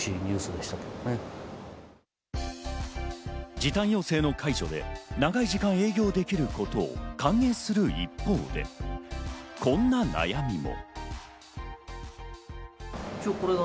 時短要請の解除で長い時間、営業できることを歓迎する一方で、こんな悩みも。